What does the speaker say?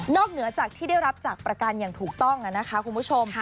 เหนือจากที่ได้รับจากประกันอย่างถูกต้องนะคะคุณผู้ชม